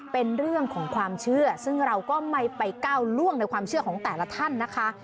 เป็นเรื่องของความเชื่อซึ่งเราก็ไม่ไปก้าวล่วงในความเชื่อของแต่ละท่านนะคะ